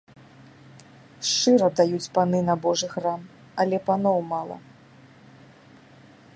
Шчыра даюць паны на божы храм, але паноў мала.